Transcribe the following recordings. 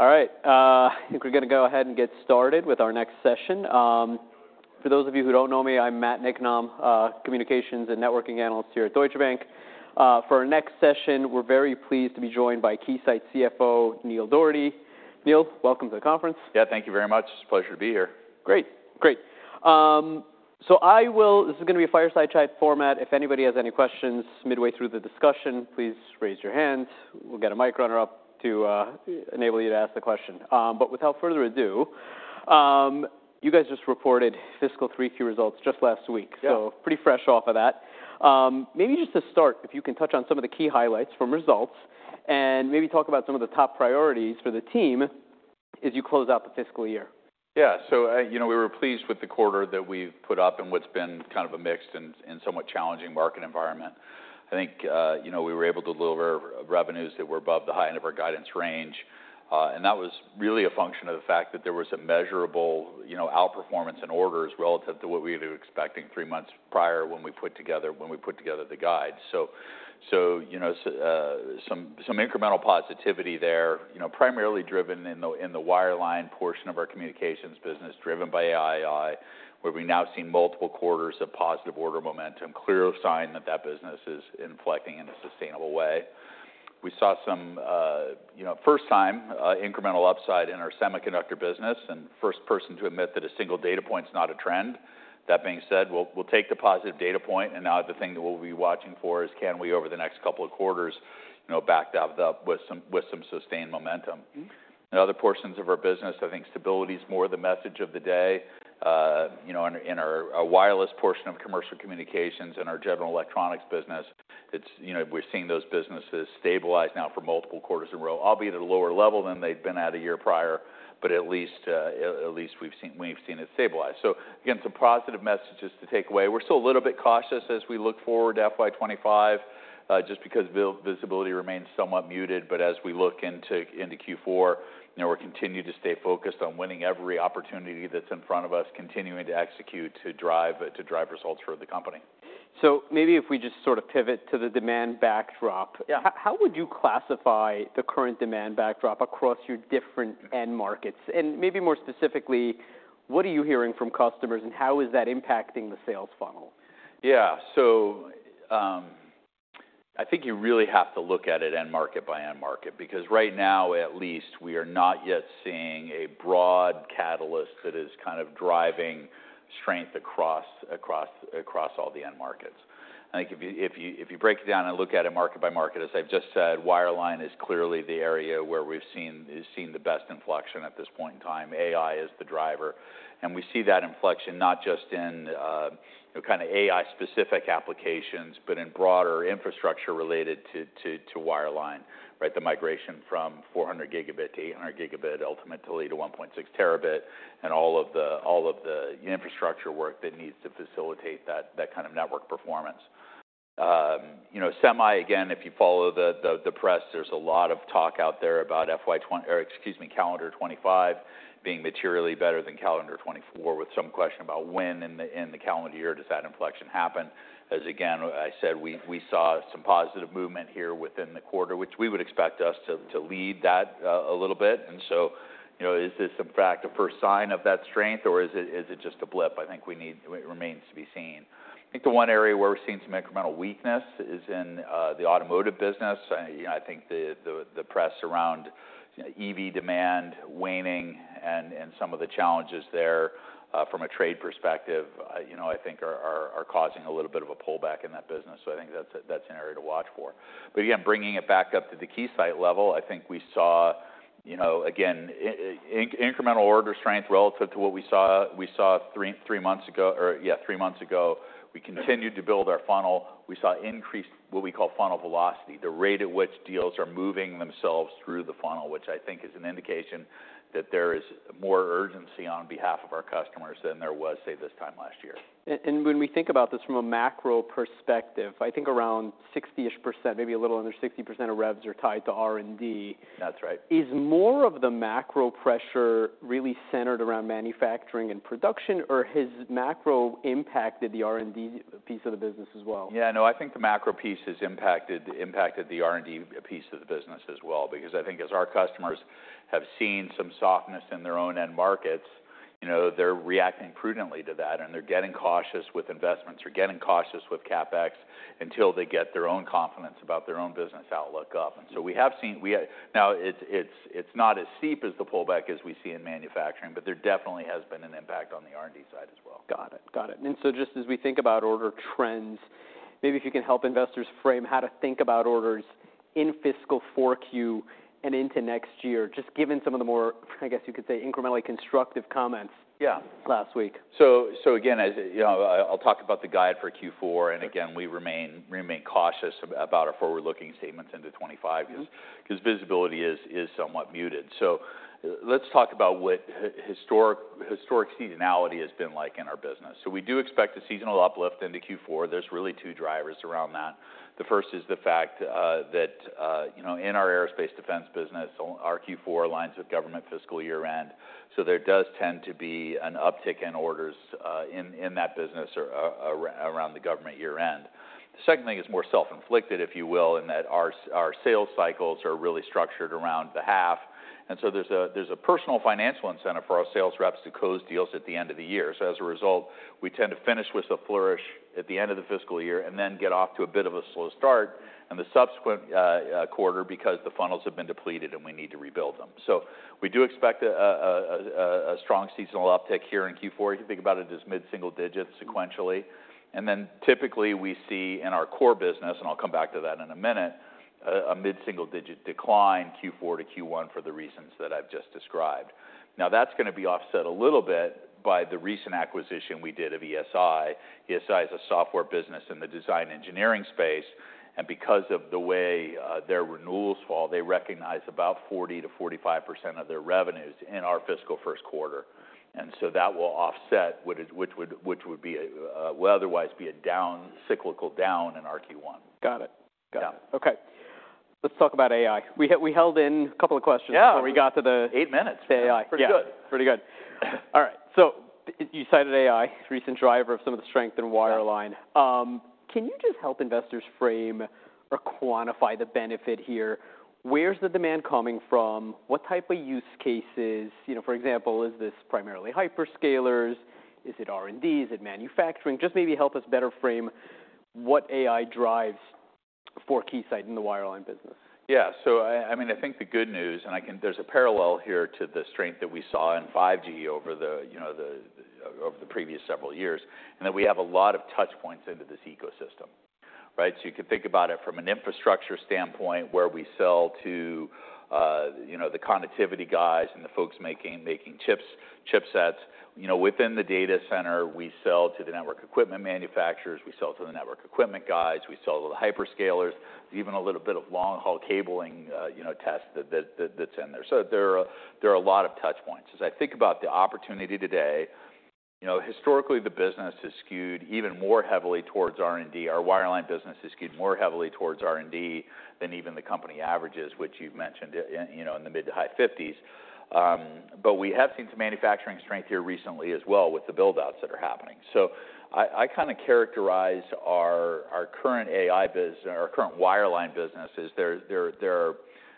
All right, I think we're gonna go ahead and get started with our next session. For those of you who don't know me, I'm Matt Niknam, Communications and Networking Analyst here at Deutsche Bank. For our next session, we're very pleased to be joined by Keysight CFO, Neil Dougherty. Neil, welcome to the conference. Yeah, thank you very much. It's a pleasure to be here. Great. Great. So, this is gonna be a fireside-type format. If anybody has any questions midway through the discussion, please raise your hands. We'll get a mic runner up to enable you to ask the question. But without further ado, you guys just reported fiscal 3Q results just last week. Yeah. So pretty fresh off of that. Maybe just to start, if you can touch on some of the key highlights from results, and maybe talk about some of the top priorities for the team as you close out the fiscal year. Yeah. So, you know, we were pleased with the quarter that we've put up, in what's been kind of a mixed and somewhat challenging market environment. I think, you know, we were able to deliver revenues that were above the high end of our guidance range, and that was really a function of the fact that there was a measurable, you know, outperformance in orders relative to what we were expecting three months prior when we put together the guide. So, you know, some incremental positivity there, you know, primarily driven in the wireline portion of our communications business, driven by AI, where we've now seen multiple quarters of positive order momentum, clear sign that that business is inflecting in a sustainable way. We saw some, you know, first time, incremental upside in our Semiconductor business, and first person to admit that a single data point is not a trend. That being said, we'll take the positive data point, and now the thing that we'll be watching for is, can we, over the next couple of quarters, you know, back that up with some sustained momentum? Mm-hmm. In other portions of our business, I think stability is more the message of the day. You know, in our wireless portion of commercial communications and our General Electronics business, it's you know, we've seen those businesses stabilize now for multiple quarters in a row, albeit at a lower level than they'd been at a year prior, but at least we've seen it stabilize. So again, some positive messages to take away. We're still a little bit cautious as we look forward to FY 2025, just because visibility remains somewhat muted. But as we look into Q4, you know, we'll continue to stay focused on winning every opportunity that's in front of us, continuing to execute, to drive results for the company. So maybe if we just sort of pivot to the demand backdrop. Yeah. How would you classify the current demand backdrop across your different end markets? And maybe more specifically, what are you hearing from customers, and how is that impacting the sales funnel? Yeah. So, I think you really have to look at it end market by end market, because right now, at least, we are not yet seeing a broad catalyst that is kind of driving strength across all the end markets. I think if you break it down and look at it market by market, as I've just said, wireline is clearly the area where has seen the best inflection at this point in time. AI is the driver, and we see that inflection not just in, you know, kind of AI-specific applications, but in broader infrastructure related to wireline, right? The migration from 400 Gb to 800 Gb, ultimately to 1.6 Tb, and all of the infrastructure work that needs to facilitate that kind of network performance. You know, semi, again, if you follow the press, there's a lot of talk out there about FY 20... Or excuse me, calendar 2025 being materially better than calendar 2024, with some question about when in the calendar year does that inflection happen? As again, I said, we saw some positive movement here within the quarter, which we would expect to lead that a little bit. And so, you know, is this, in fact, a first sign of that strength, or is it just a blip? I think it remains to be seen. I think the one area where we're seeing some incremental weakness is in the Automotive business. You know, I think the press around EV demand waning and some of the challenges there from a trade perspective, you know, I think are causing a little bit of a pullback in that business. So I think that's an area to watch for. But again, bringing it back up to the Keysight level, I think we saw, you know, again, incremental order strength relative to what we saw three months ago. We continued to build our funnel. We saw increased what we call funnel velocity, the rate at which deals are moving themselves through the funnel, which I think is an indication that there is more urgency on behalf of our customers than there was, say, this time last year. When we think about this from a macro perspective, I think around 60-ish percent, maybe a little under 60% of revs are tied to R&D. That's right. Is more of the macro pressure really centered around manufacturing and production, or has macro impacted the R&D piece of the business as well? Yeah, no, I think the macro piece has impacted the R&D piece of the business as well, because I think as our customers have seen some softness in their own end markets, you know, they're reacting prudently to that, and they're getting cautious with investments. They're getting cautious with CapEx until they get their own confidence about their own business outlook up. And so we have seen. Now, it's not as steep as the pullback we see in manufacturing, but there definitely has been an impact on the R&D side as well. Got it. Got it. And so just as we think about order trends, maybe if you can help investors frame how to think about orders in fiscal 4Q and into next year, just given some of the more, I guess you could say, incrementally constructive comments? Yeah -last week. So again, as you know, I'll talk about the guide for Q4. Okay. And again, we remain cautious about our forward-looking statements into 2025. Mm-hmm Because visibility is somewhat muted. So let's talk about what historic seasonality has been like in our business. So we do expect a seasonal uplift into Q4. There's really two drivers around that. The first is the fact that you know in our Aerospace Defense business our Q4 aligns with government fiscal year-end. So there does tend to be an uptick in orders in that business around the government year-end. The second thing is more self-inflicted if you will in that our sales cycles are really structured around the half. And so there's a personal financial incentive for our sales reps to close deals at the end of the year. So as a result, we tend to finish with a flourish at the end of the fiscal year, and then get off to a bit of a slow start in the subsequent quarter, because the funnels have been depleted and we need to rebuild them. So we do expect a strong seasonal uptick here in Q4. You can think about it as mid-single digits sequentially. And then, typically, we see in our core business, and I'll come back to that in a minute, a mid-single-digit decline, Q4 to Q1, for the reasons that I've just described. Now, that's going to be offset a little bit by the recent acquisition we did of ESI. ESI is a software business in the design engineering space, and because of the way their renewals fall, they recognize about 40%-45% of their revenues in our fiscal first quarter. And so that will offset what would otherwise be a down, cyclical down in our Q1. Got it. Got it. Yeah. Okay, let's talk about AI. We held in a couple of questions- Yeah until we got to the Eight minutes... AI. Pretty good. Yeah, pretty good. All right, so you cited AI, recent driver of some of the strength in wireline. Yeah. Can you just help investors frame or quantify the benefit here? Where's the demand coming from? What type of use cases? You know, for example, is this primarily hyperscalers? Is it R&D? Is it manufacturing? Just maybe help us better frame what AI drives for Keysight in the Wireline business. Yeah, so I mean, I think the good news, and there's a parallel here to the strength that we saw in 5G over the, you know, over the previous several years, and that we have a lot of touch points into this ecosystem, right? So you can think about it from an infrastructure standpoint, where we sell to, you know, the connectivity guys and the folks making chips, chipsets. You know, within the data center, we sell to the network equipment manufacturers, we sell to the network equipment guys, we sell to the hyperscalers, even a little bit of long-haul cabling, you know, test that, that's in there. So there are a lot of touch points. As I think about the opportunity today, you know, historically, the business has skewed even more heavily towards R&D. Our Wireline business has skewed more heavily towards R&D than even the company averages, which you've mentioned, you know, in the mid to high 50s. But we have seen some manufacturing strength here recently as well, with the build-outs that are happening. So I kind of characterize our current AI business, our current Wireline business. There are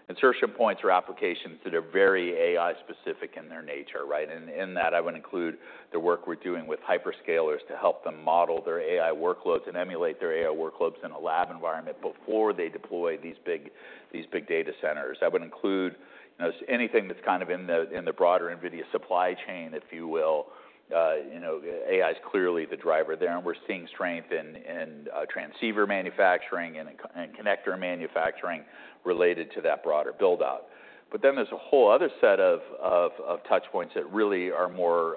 insertion points or applications that are very AI-specific in their nature, right? And in that, I would include the work we're doing with hyperscalers to help them model their AI workloads and emulate their AI workloads in a lab environment before they deploy these big data centers. That would include, you know, anything that's kind of in the broader NVIDIA supply chain, if you will. You know, AI is clearly the driver there, and we're seeing strength in transceiver manufacturing and in connector manufacturing related to that broader build-out. But then there's a whole other set of touch points that really are more,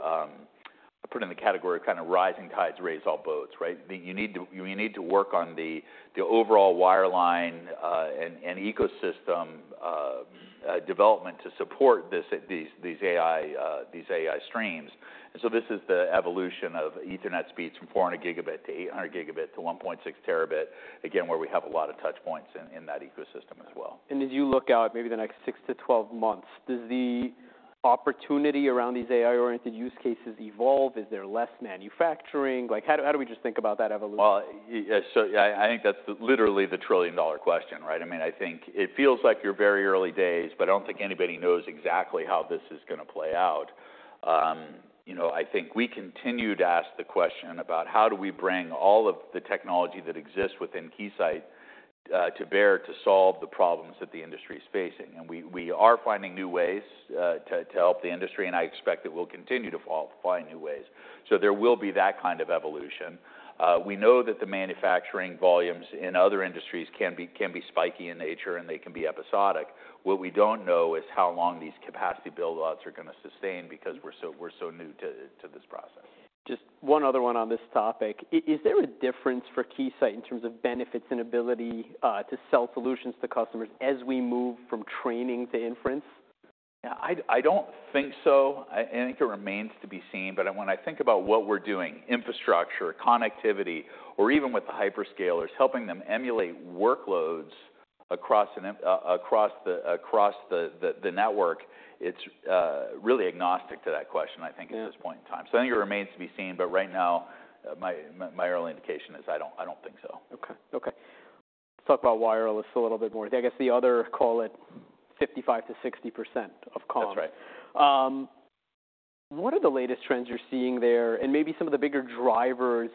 I put in the category of kind of rising tides, raise all boats, right? You need to work on the overall wireline and ecosystem development to support these AI streams. And so this is the evolution of Ethernet speeds from 400 Gb to 800 Gb to 1.6 Tb, again, where we have a lot of touch points in that ecosystem as well. As you look out, maybe the next six to 12 months, does the opportunity around these AI-oriented use cases evolve? Is there less manufacturing? Like, how do we just think about that evolution? Yeah, so I think that's literally the trillion-dollar question, right? I mean, I think it feels like it's very early days, but I don't think anybody knows exactly how this is going to play out. You know, I think we continue to ask the question about how do we bring all of the technology that exists within Keysight to bear to solve the problems that the industry is facing? And we are finding new ways to help the industry, and I expect that we'll continue to find new ways. There will be that kind of evolution. We know that the manufacturing volumes in other industries can be spiky in nature, and they can be episodic. What we don't know is how long these capacity build outs are going to sustain because we're so new to this process. Just one other one on this topic: Is there a difference for Keysight in terms of benefits and ability to sell solutions to customers as we move from training to inference? Yeah, I don't think so. And it remains to be seen, but when I think about what we're doing, infrastructure, connectivity, or even with the hyperscalers, helping them emulate workloads across the network, it's really agnostic to that question, I think. Yeah... at this point in time. So I think it remains to be seen, but right now, my early indication is I don't think so. Okay. Let's talk about wireless a little bit more. I guess the other, call it 55%-60% of comm. That's right. What are the latest trends you're seeing there, and maybe some of the bigger drivers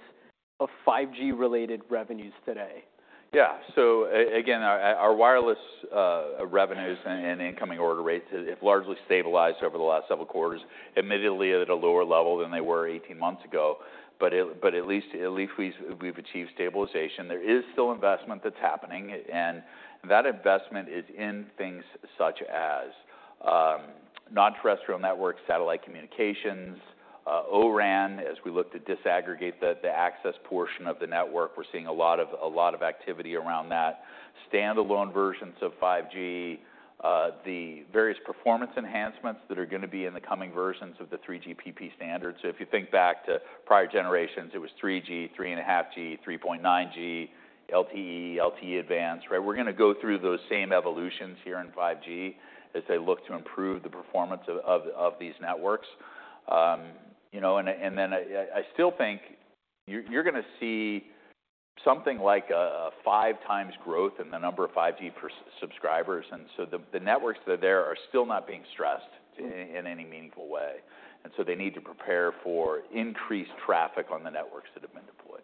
of 5G-related revenues today? Yeah. So again, our wireless revenues and incoming order rates have largely stabilized over the last several quarters, admittedly at a lower level than they were 18 months ago. But at least we've achieved stabilization. There is still investment that's happening, and that investment is in things such as non-terrestrial networks, satellite communications, O-RAN. As we look to disaggregate the access portion of the network, we're seeing a lot of activity around that. Standalone versions of 5G, the various performance enhancements that are going to be in the coming versions of the 3GPP standard. So if you think back to prior generations, it was 3G, 3.5G, 3.9G, LTE, LTE Advanced, right? We're going to go through those same evolutions here in 5G as they look to improve the performance of these networks. You know, and then I still think you're gonna see something like a five times growth in the number of 5G subscribers, and so the networks that are there are still not being stressed in any meaningful way. And so they need to prepare for increased traffic on the networks that have been deployed.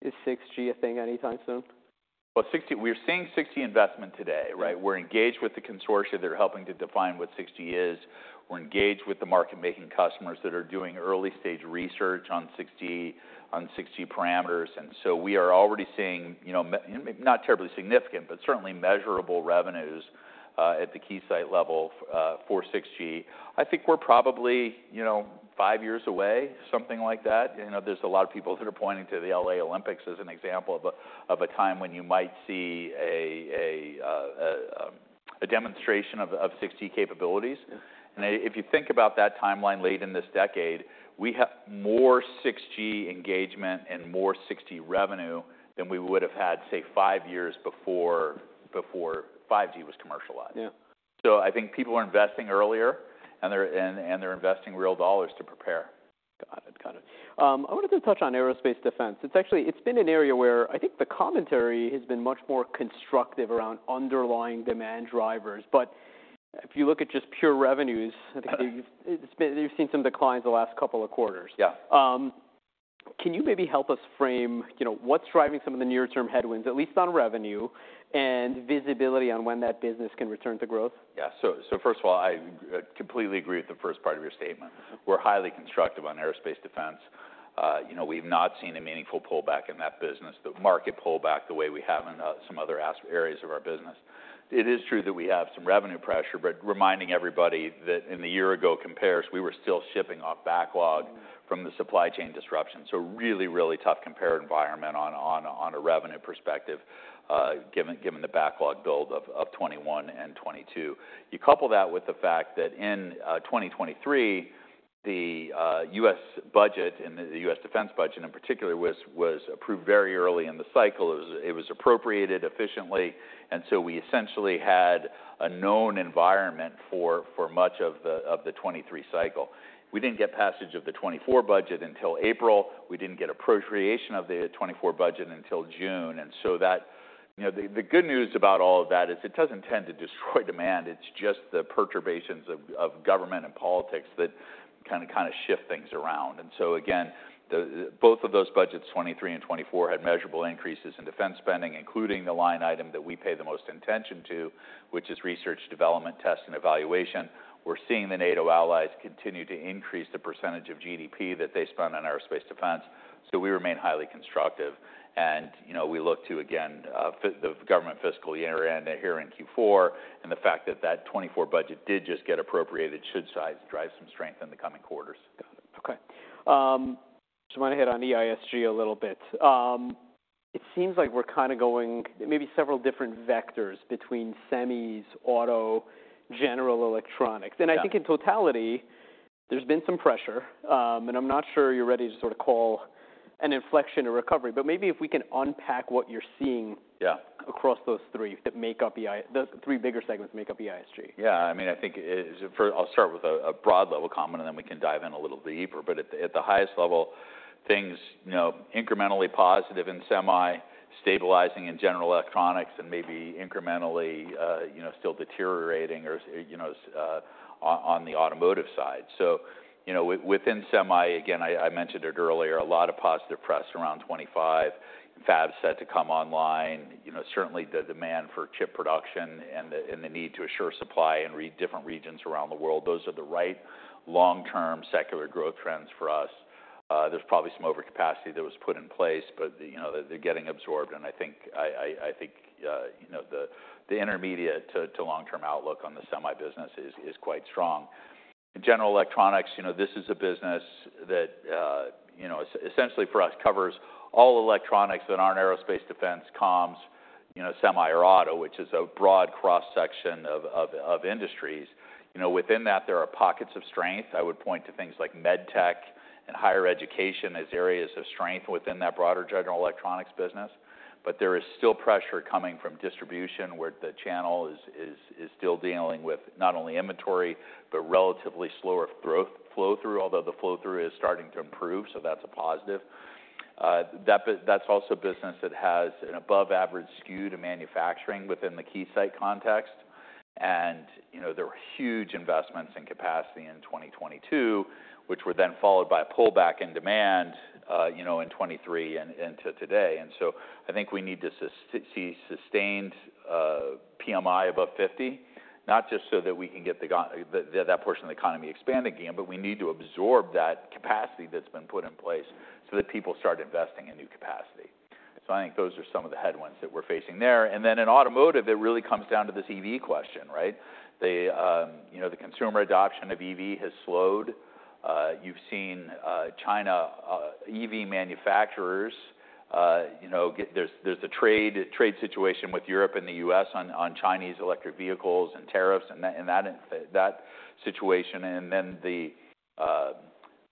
Is 6G a thing anytime soon? 6G, we are seeing 6G investment today, right? We're engaged with the consortia that are helping to define what 6G is. We're engaged with the market-making customers that are doing early-stage research on 6G, on 6G parameters. And so we are already seeing, you know, not terribly significant, but certainly measurable revenues at the Keysight level for 6G. I think we're probably, you know, five years away, something like that. You know, there's a lot of people that are pointing to the L.A. Olympics as an example of a time when you might see a demonstration of 6G capabilities. Yeah. If you think about that timeline late in this decade, we have more 6G engagement and more 6G revenue than we would've had, say, five years before, before 5G was commercialized. Yeah. I think people are investing earlier, and they're investing real dollars to prepare. Got it. I wanted to touch on Aerospace Defense. It's actually, it's been an area where I think the commentary has been much more constructive around underlying demand drivers. But if you look at just pure revenues, I think you've seen some declines in the last couple of quarters. Yeah. Can you maybe help us frame, you know, what's driving some of the near-term headwinds, at least on revenue, and visibility on when that business can return to growth? Yeah. So first of all, I completely agree with the first part of your statement. We're highly constructive on Aerospace Defense. You know, we've not seen a meaningful pullback in that business, the market pullback, the way we have in some other areas of our business. It is true that we have some revenue pressure, but reminding everybody that in the year ago compares, we were still shipping off backlog from the supply chain disruption. So really tough compare environment on a revenue perspective, given the backlog build of 2021 and 2022. You couple that with the fact that in 2023, the U.S. budget, and the U.S. defense budget in particular, was approved very early in the cycle. It was appropriated efficiently, and so we essentially had a known environment for much of the 2023 cycle. We didn't get passage of the 2024 budget until April. We didn't get appropriation of the 2024 budget until June, and so that. You know, the good news about all of that is it doesn't tend to destroy demand. It's just the perturbations of government and politics that kind of shift things around. And so again, both of those budgets, 2023 and 2024, had measurable increases in defense spending, including the line item that we pay the most attention to, which is research, development, test, and evaluation. We're seeing the NATO allies continue to increase the percentage of GDP that they spend on Aerospace Defense, so we remain highly constructive. You know, we look to, again, for the government fiscal year end here in Q4, and the fact that the 2024 budget did just get appropriated should drive some strength in the coming quarters. Got it. Okay. Just want to hit on the EISG a little bit. It seems like we're kind of going maybe several different vectors between semis, auto, general electronics. Yeah. I think in totality, there's been some pressure. I'm not sure you're ready to sort of call an inflection a recovery, but maybe if we can unpack what you're seeing- Yeah... across those three, that make up the three bigger segments that make up EISG. Yeah, I mean, I think it is. I'll start with a broad-level comment, and then we can dive in a little deeper. But at the highest level, things, you know, incrementally positive in semi, stabilizing in General Electronics, and maybe incrementally, you know, still deteriorating or, you know, on the Automotive side. So, you know, within semi, again, I mentioned it earlier, a lot of positive press around 25 fabs set to come online. You know, certainly the demand for chip production and the need to assure supply in different regions around the world, those are the right long-term secular growth trends for us. There's probably some overcapacity that was put in place, but, you know, they're getting absorbed, and I think you know, the intermediate to long-term outlook on the semi business is quite strong. In General Electronics, you know, this is a business that, you know, essentially for us, covers all electronics that aren't aerospace defense, comms, you know, semi or auto, which is a broad cross-section of industries. You know, within that, there are pockets of strength. I would point to things like med tech and higher education as areas of strength within that broader General Electronics business. But there is still pressure coming from distribution, where the channel is still dealing with not only inventory, but relatively slower growth flow-through, although the flow-through is starting to improve, so that's a positive. That business that's also business that has an above-average skew to manufacturing within the Keysight context. And, you know, there were huge investments in capacity in 2022, which were then followed by a pullback in demand in 2023 and into today. And so I think we need to see sustained PMI above 50, not just so that we can get that portion of the economy expanding again, but we need to absorb that capacity that's been put in place so that people start investing in new capacity. So I think those are some of the headwinds that we're facing there. And then in automotive, it really comes down to this EV question, right? The consumer adoption of EV has slowed. You've seen China EV manufacturers you know get—there's the trade situation with Europe and the U.S. on Chinese electric vehicles and tariffs, and that situation, and then the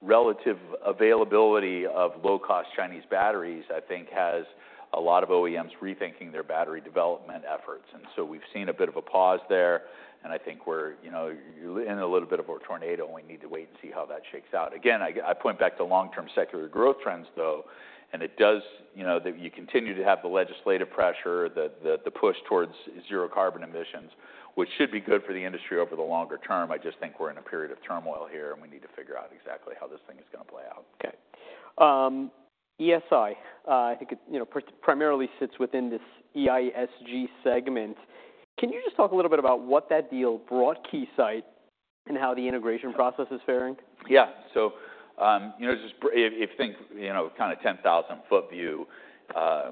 relative availability of low-cost Chinese batteries, I think, has a lot of OEMs rethinking their battery development efforts. And so we've seen a bit of a pause there, and I think we're, you know, in a little bit of a tornado, and we need to wait and see how that shakes out. Again, I point back to long-term secular growth trends, though, and it does, you know, that you continue to have the legislative pressure, the push towards zero carbon emissions, which should be good for the industry over the longer term. I just think we're in a period of turmoil here, and we need to figure out exactly how this thing is gonna play out. Okay. ESI, I think it, you know, primarily sits within this EISG segment. Can you just talk a little bit about what that deal brought Keysight and how the integration process is faring? Yeah. So, you know, just if you think, you know, kind of 10,000-ft view,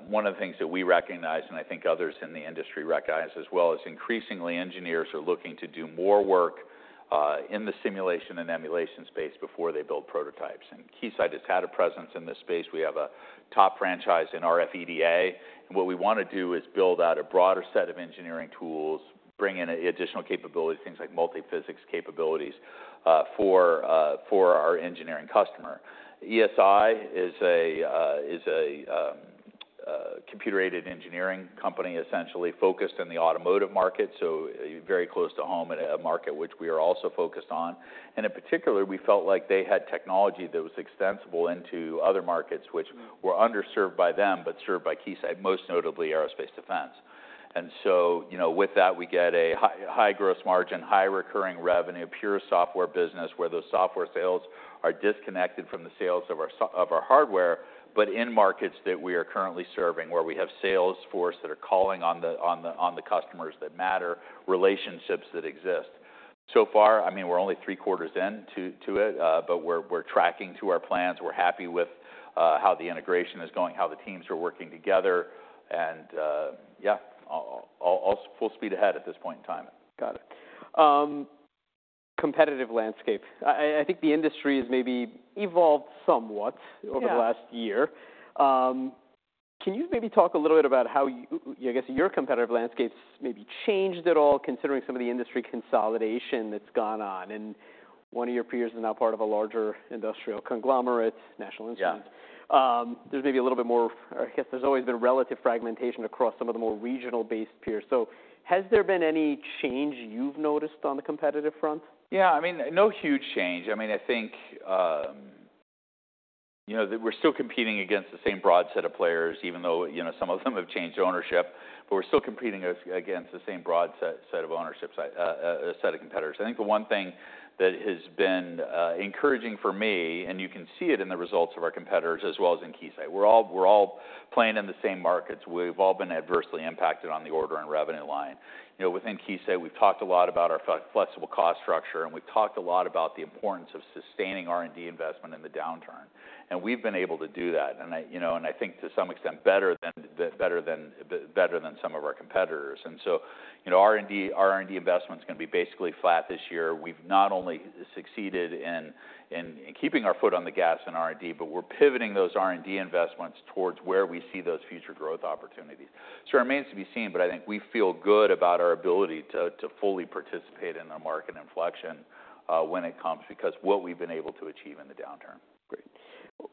one of the things that we recognize, and I think others in the industry recognize as well, is increasingly, engineers are looking to do more work in the simulation and emulation space before they build prototypes, and Keysight has had a presence in this space. We have a top franchise in RFEDA, and what we want to do is build out a broader set of engineering tools, bring in additional capabilities, things like multi-physics capabilities, for our engineering customer. ESI is a computer-aided engineering company, essentially focused on the automotive market, so very close to home, in a market which we are also focused on. In particular, we felt like they had technology that was extensible into other markets, which were underserved by them, but served by Keysight, most notably aerospace defense. You know, with that, we get a high, high gross margin, high recurring revenue, pure software business, where those software sales are disconnected from the sales of our hardware, but in markets that we are currently serving, where we have sales force that are calling on the customers that matter, relationships that exist. So far, I mean, we're only three quarters in to it, but we're tracking to our plans. We're happy with how the integration is going, how the teams are working together, and yeah, all full speed ahead at this point in time. Got it. Competitive landscape. I think the industry has maybe evolved somewhat. Yeah... over the last year. Can you maybe talk a little bit about how you, I guess, your competitive landscape's maybe changed at all, considering some of the industry consolidation that's gone on, and one of your peers is now part of a larger industrial conglomerate, National Instruments. Yeah. There's maybe a little bit more, or I guess there's always been relative fragmentation across some of the more regional-based peers. So has there been any change you've noticed on the competitive front? Yeah, I mean, no huge change. I mean, I think, you know, that we're still competing against the same broad set of players, even though, you know, some of them have changed ownership, but we're still competing against the same broad set, set of ownerships, set of competitors. I think the one thing that has been encouraging for me, and you can see it in the results of our competitors, as well as in Keysight, we're all playing in the same markets. We've all been adversely impacted on the order and revenue line. You know, within Keysight, we've talked a lot about our flexible cost structure, and we've talked a lot about the importance of sustaining R&D investment in the downturn, and we've been able to do that, and I, you know, and I think to some extent, better than some of our competitors. And so, you know, R&D, our R&D investment is gonna be basically flat this year. We've not only succeeded in keeping our foot on the gas in R&D, but we're pivoting those R&D investments towards where we see those future growth opportunities. So it remains to be seen, but I think we feel good about our ability to fully participate in the market inflection when it comes, because what we've been able to achieve in the downturn. Great.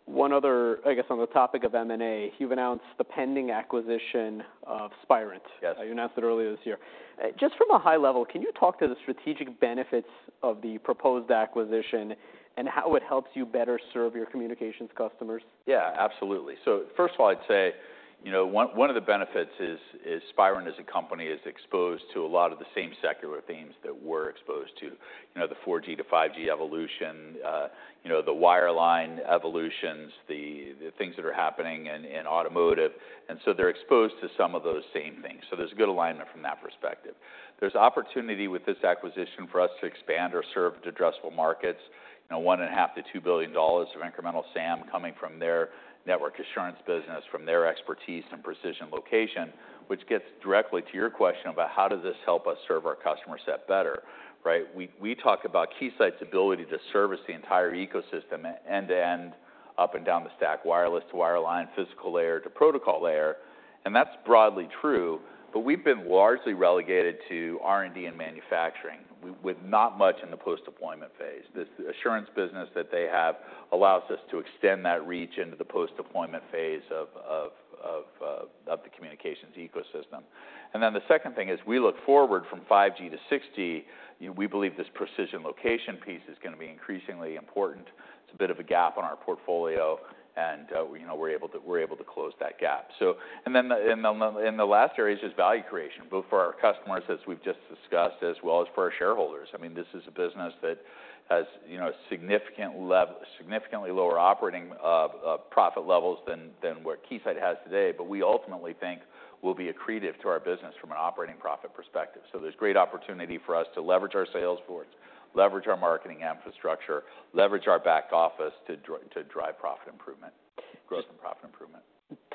One other... I guess, on the topic of M&A, you've announced the pending acquisition of Spirent. Yes. You announced it earlier this year. Just from a high level, can you talk to the strategic benefits of the proposed acquisition and how it helps you better serve your communications customers? Yeah, absolutely. So first of all, I'd say, you know, one of the benefits is Spirent as a company is exposed to a lot of the same secular themes that we're exposed to. You know, the 4G to 5G evolution, you know, the Wireline evolutions, the things that are happening in Automotive. And so they're exposed to some of those same things, so there's a good alignment from that perspective. There's opportunity with this acquisition for us to expand or serve the addressable markets, you know, $1.5 billion-$2 billion of incremental SAM coming from their network assurance business, from their expertise in precision location, which gets directly to your question about how does this help us serve our customer set better, right? We talk about Keysight's ability to service the entire ecosystem, end-to-end, up and down the stack, wireless to wireline, physical layer to protocol layer, and that's broadly true, but we've been largely relegated to R&D and manufacturing, with not much in the post-deployment phase. This assurance business that they have allows us to extend that reach into the post-deployment phase of the communications ecosystem. And then the second thing is, we look forward from 5G to 6G, we believe this precision location piece is gonna be increasingly important. It's a bit of a gap in our portfolio, and, you know, we're able to close that gap. So, and then the last area is just value creation, both for our customers, as we've just discussed, as well as for our shareholders. I mean, this is a business that has, you know, significantly lower operating profit levels than what Keysight has today, but we ultimately think will be accretive to our business from an operating profit perspective. So there's great opportunity for us to leverage our sales force, leverage our marketing infrastructure, leverage our back office to drive profit improvement, growth and profit improvement.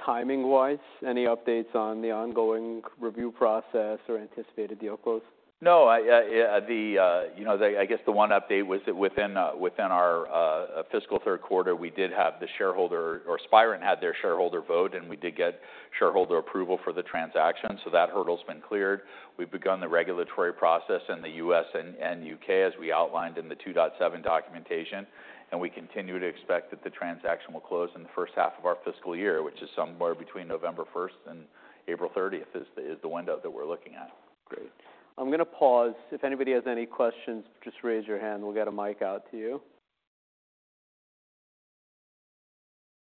Timing-wise, any updates on the ongoing review process or anticipated deal close? No, you know, I guess the one update was that within our fiscal third quarter, we did have the shareholder, or Spirent had their shareholder vote, and we did get shareholder approval for the transaction, so that hurdle's been cleared. We've begun the regulatory process in the U.S. and U.K., as we outlined in the 2.7 documentation, and we continue to expect that the transaction will close in the first half of our fiscal year, which is somewhere between November 1st and April 30th, is the window that we're looking at. Great. I'm gonna pause. If anybody has any questions, just raise your hand, and we'll get a mic out to you.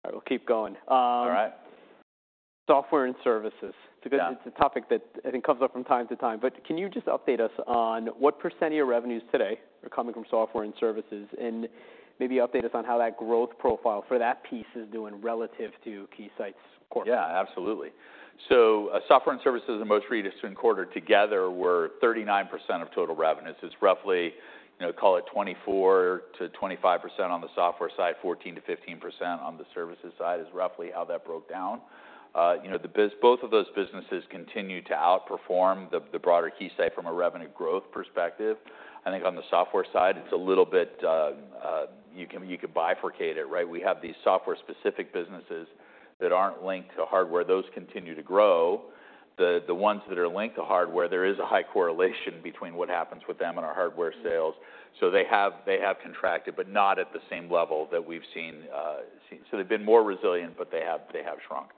I will keep going. All right. Software and Services- Yeah. Because it's a topic that I think comes up from time to time. But can you just update us on what percent of your revenues today are coming from Software and Services? And maybe update us on how that growth profile for that piece is doing relative to Keysight's core? Yeah, absolutely. So, Software and Services in the most recent quarter together were 39% of total revenues. It's roughly, you know, call it 24%-25% on the Software side, 14%-15% on the Services side, is roughly how that broke down. You know, both of those businesses continue to outperform the broader Keysight from a revenue growth perspective. I think on the Software side, it's a little bit, you can bifurcate it, right? We have these software-specific businesses that aren't linked to hardware. Those continue to grow. The ones that are linked to hardware, there is a high correlation between what happens with them and our hardware sales. So they have contracted, but not at the same level that we've seen. So they've been more resilient, but they have shrunk.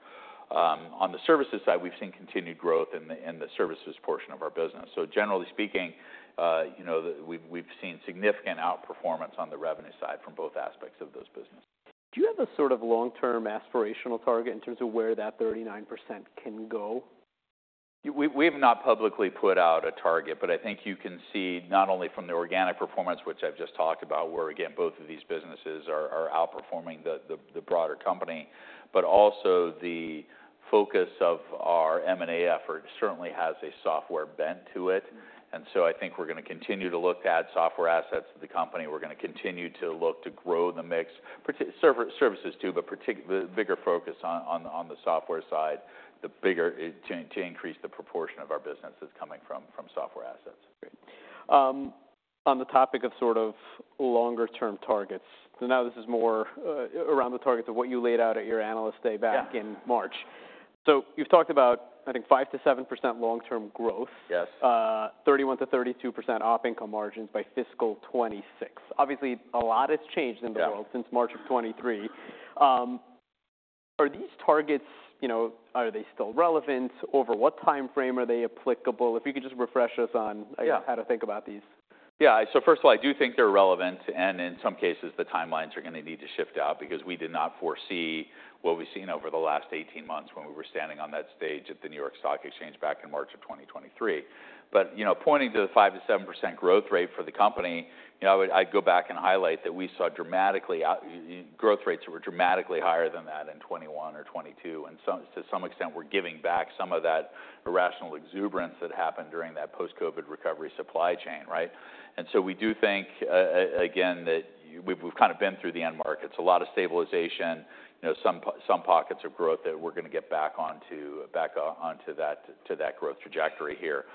On the Services side, we've seen continued growth in the Services portion of our business. So generally speaking, you know, we've seen significant outperformance on the revenue side from both aspects of those businesses. Do you have a sort of long-term aspirational target in terms of where that 39% can go? We've not publicly put out a target, but I think you can see not only from the organic performance, which I've just talked about, where again both of these businesses are outperforming the broader company, but also the focus of our M&A effort certainly has a software bent to it. And so I think we're gonna continue to look to add software assets to the company. We're gonna continue to look to grow the mix, particularly services too, but particularly the bigger focus on the Software side to increase the proportion of our businesses coming from software assets. On the topic of sort of longer-term targets, so now this is more around the targets of what you laid out at your Analyst Day back- Yeah in March. So you've talked about, I think, 5%-7% long-term growth. Yes. 31%-32% operating income margins by fiscal 2026. Obviously, a lot has changed in the world- Yeah -since March of 2023. Are these targets, you know, are they still relevant? Over what time frame are they applicable? If you could just refresh us on- Yeah How to think about these. Yeah. So first of all, I do think they're relevant, and in some cases, the timelines are gonna need to shift out because we did not foresee what we've seen over the last eighteen months when we were standing on that stage at the New York Stock Exchange back in March of 2023. But, you know, pointing to the 5%-7% growth rate for the company, you know, I would- I'd go back and highlight that we saw dramatically growth rates were dramatically higher than that in 2021 or 2022, and to some extent, we're giving back some of that irrational exuberance that happened during that post-COVID recovery supply chain, right? And so we do think again that we've kind of been through the end markets. A lot of stabilization, you know, some pockets of growth that we're gonna get back onto that, to that growth trajectory here,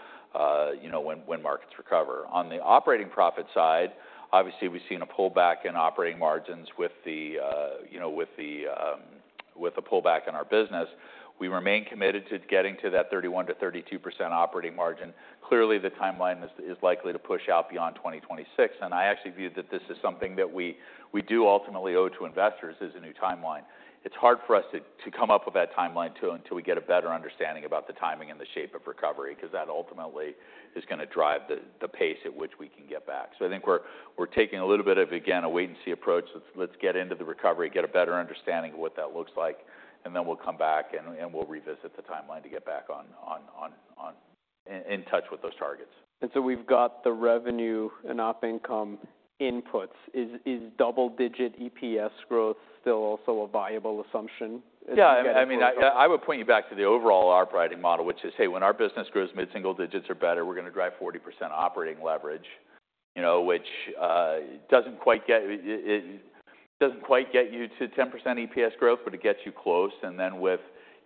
you know, when markets recover. On the operating profit side, obviously, we've seen a pullback in operating margins with the pullback in our business. We remain committed to getting to that 31%-32% operating margin. Clearly, the timeline is likely to push out beyond 2026, and I actually view that this is something that we do ultimately owe to investors, is a new timeline. It's hard for us to come up with that timeline until we get a better understanding about the timing and the shape of recovery, 'cause that ultimately is gonna drive the pace at which we can get back. I think we're taking a little bit of, again, a wait-and-see approach. Let's get into the recovery, get a better understanding of what that looks like, and then we'll come back and we'll revisit the timeline to get back in touch with those targets. And so we've got the revenue and op income inputs. Is double-digit EPS growth still also a viable assumption as we get it? Yeah, I mean, I would point you back to the overall operating model, which is, hey, when our business grows mid-single digits or better, we're gonna drive 40% operating leverage, you know, which doesn't quite get you to 10% EPS growth, but it gets you close, and then with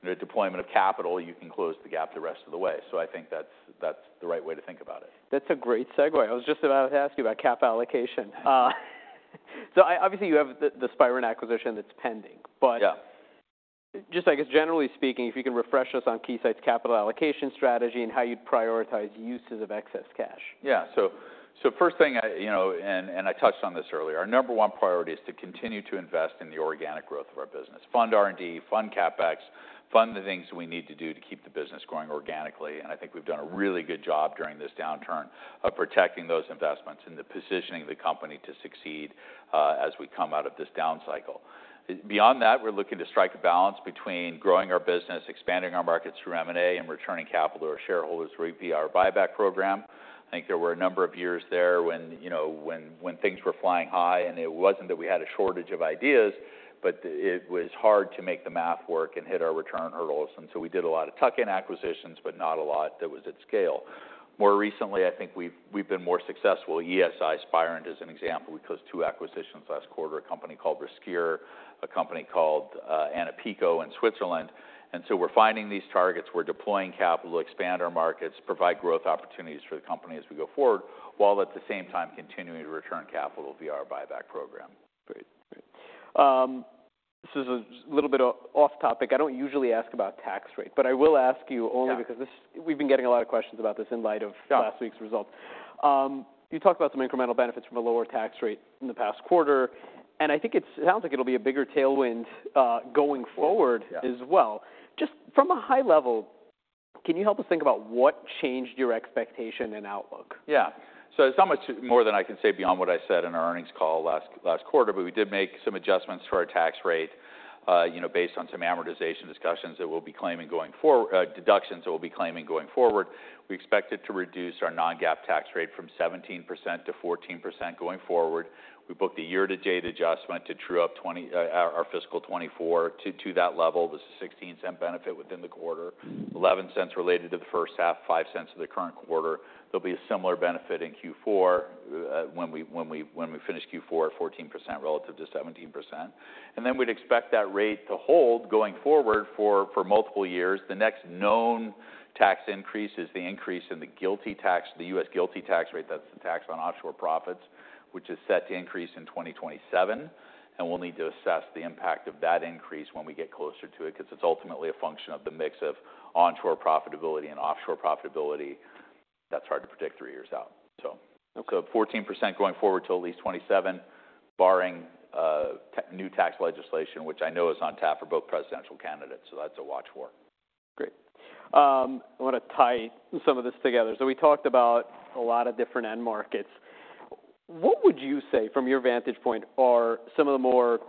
the deployment of capital, you can close the gap the rest of the way. So I think that's the right way to think about it. That's a great segue. I was just about to ask you about CapEx allocation. So obviously, you have the Spirent acquisition that's pending, but- Yeah... just, I guess, generally speaking, if you can refresh us on Keysight's capital allocation strategy and how you'd prioritize uses of excess cash? Yeah. So first thing, you know, and I touched on this earlier, our number one priority is to continue to invest in the organic growth of our business, fund R&D, fund CapEx, fund the things we need to do to keep the business growing organically. And I think we've done a really good job during this downturn of protecting those investments and the positioning of the company to succeed as we come out of this down cycle. Beyond that, we're looking to strike a balance between growing our business, expanding our markets through M&A, and returning capital to our shareholders via our buyback program. I think there were a number of years there when, you know, when things were flying high, and it wasn't that we had a shortage of ideas, but it was hard to make the math work and hit our return hurdles, and so we did a lot of tuck-in acquisitions, but not a lot that was at scale. More recently, I think we've been more successful. ESI, Spirent is an example. We closed two acquisitions last quarter, a company called Riscure, a company called AnaPico in Switzerland. And so we're finding these targets, we're deploying capital to expand our markets, provide growth opportunities for the company as we go forward, while at the same time, continuing to return capital via our buyback program. Great. Great. This is a little bit off topic. I don't usually ask about tax rate, but I will ask you- Yeah we've been getting a lot of questions about this in light of Yeah Last week's results. You talked about some incremental benefits from a lower tax rate in the past quarter, and I think it sounds like it'll be a bigger tailwind going forward. Yeah As well. Can you help us think about what changed your expectation and outlook? Yeah. So there's not much more than I can say beyond what I said in our earnings call last quarter, but we did make some adjustments to our tax rate, you know, based on some amortization discussions that we'll be claiming going forward, deductions that we'll be claiming going forward. We expect it to reduce our non-GAAP tax rate from 17% to 14% going forward. We booked a year-to-date adjustment to true up our fiscal 2024 to that level. There's a $0.16 benefit within the quarter, $0.11 related to the first half, $0.05 to the current quarter. There'll be a similar benefit in Q4, when we finish Q4 at 14% relative to 17%. And then we'd expect that rate to hold going forward for multiple years. The next known tax increase is the increase in the GILTI tax, the U.S. GILTI tax rate, that's the tax on offshore profits, which is set to increase in 2027. And we'll need to assess the impact of that increase when we get closer to it, 'cause it's ultimately a function of the mix of onshore profitability and offshore profitability. That's hard to predict three years out. So, fourteen percent going forward till at least 2027, barring new tax legislation, which I know is on tap for both presidential candidates, so that's a watch for. Great. I want to tie some of this together. So we talked about a lot of different end markets. What would you say, from your vantage point, are some of the more...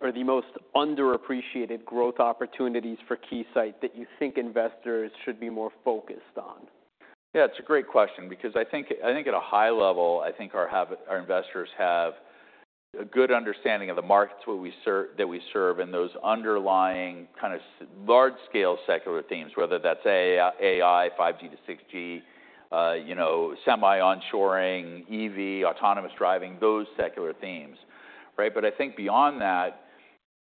or the most underappreciated growth opportunities for Keysight that you think investors should be more focused on? Yeah, it's a great question because I think at a high level, I think our investors have a good understanding of the markets that we serve, and those underlying kind of large-scale secular themes, whether that's AI, 5G to 6G, you know, semi onshoring, EV, autonomous driving, those secular themes, right? But I think beyond that,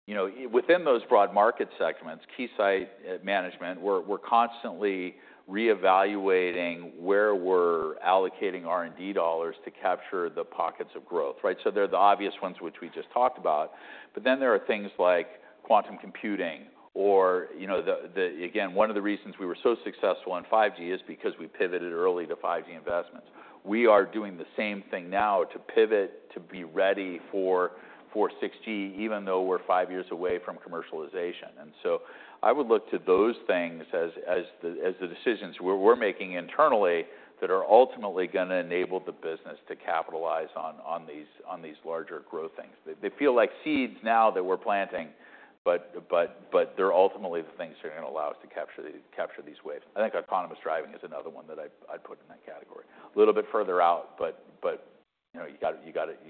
you know, within those broad market segments, Keysight management, we're constantly reevaluating where we're allocating R&D dollars to capture the pockets of growth, right? So there are the obvious ones, which we just talked about, but then there are things like quantum computing or, you know, again, one of the reasons we were so successful in 5G is because we pivoted early to 5G investments. We are doing the same thing now to pivot, to be ready for 6G, even though we're five years away from commercialization, and so I would look to those things as the decisions we're making internally that are ultimately going to enable the business to capitalize on these larger growth things. They feel like seeds now that we're planting, but they're ultimately the things that are going to allow us to capture these waves. I think autonomous driving is another one that I'd put in that category. A little bit further out, but you know, you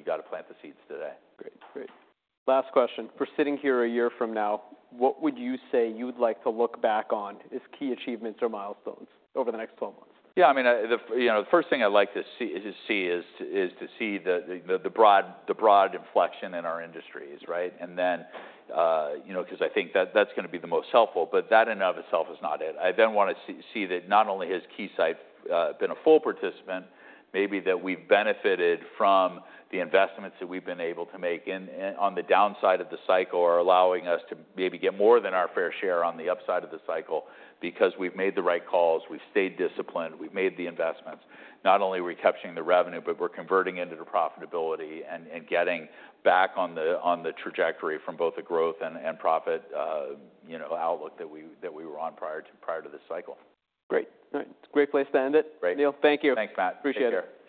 gotta plant the seeds today. Great. Great. Last question. For sitting here a year from now, what would you say you'd like to look back on as key achievements or milestones over the next 12 months? Yeah, I mean, you know, the first thing I'd like to see is the broad inflection in our industries, right? And then, you know, 'cause I think that that's going to be the most helpful, but that in and of itself is not it. I then want to see that not only has Keysight been a full participant, maybe that we've benefited from the investments that we've been able to make in on the downside of the cycle, are allowing us to maybe get more than our fair share on the upside of the cycle because we've made the right calls, we've stayed disciplined, we've made the investments. Not only are we capturing the revenue, but we're converting it into profitability and getting back on the trajectory from both the growth and profit, you know, outlook that we were on prior to this cycle. Great. All right. Great place to end it. Great. Neil, thank you. Thanks, Matt. Appreciate it.